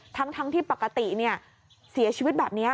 ทั้งที่ปกติเสียชีวิตแบบนี้